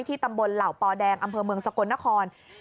ตำบลเหล่าปอแดงอำเภอเมืองสกลนคร